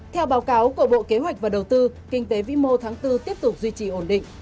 theo báo cáo của bộ kế hoạch và đầu tư kinh tế vĩ mô tháng bốn tiếp tục duy trì ổn định